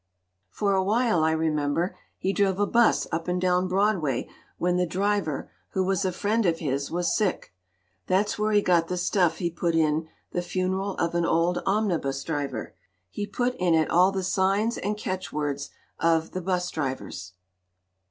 "For a while, I remember, he drove a 'bus up and down Broadway when the driver, who was a friend of his, was sick. That's where he got 217 LITERATURE IN THE MAKING the stuff he put in The Funeral of an Old Omni bus driver. He put in it all the signs and catch words of the 'bus drivers."